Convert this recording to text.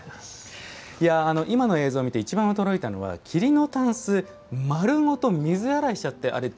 いや今の映像を見ていちばん驚いたのは桐のたんす丸ごと水洗いしちゃってあれ大丈夫なんですか。